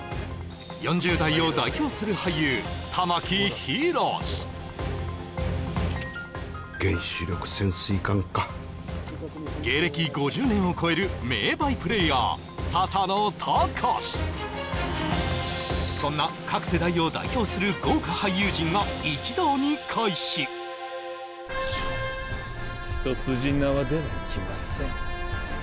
４０代を代表する俳優原子力潜水艦か芸歴５０年を超える名バイプレーヤーそんな各世代を代表する豪華俳優陣が一堂に会し一筋縄ではいきません